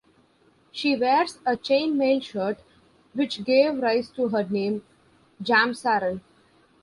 She wears a chainmail shirt, which gave rise to her name, "Jamsaran".